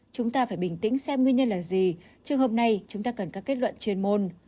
chúng ta phải bình tĩnh xem nguyên nhân là gì trường hợp này chúng ta cần có kết luận chuyên môn